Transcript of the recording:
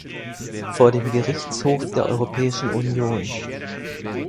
Vor dem Gerichtshof der Europäischen Union.